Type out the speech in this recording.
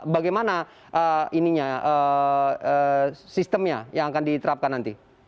bagaimana sistemnya yang akan diterapkan nanti